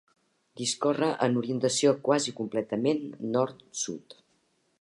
Discorre en orientació quasi completament nord-sud.